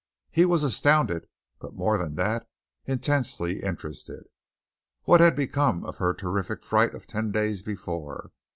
He was astounded, but more than that, intensely interested. What had become of her terrific fright of ten days before?